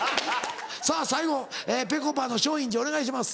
さぁ最後ぺこぱの松陰寺お願いします。